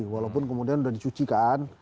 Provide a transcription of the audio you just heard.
walaupun kemudian udah dicuci kan